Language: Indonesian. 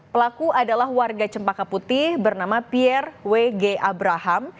pelaku adalah warga cempaka putih bernama pierre w g abraham